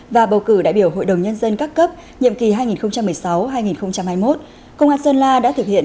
và bầu cử đại biểu hội đồng nhân dân các cấp nhiệm kỳ hai nghìn một mươi sáu hai nghìn hai mươi một công an sơn la đã thực hiện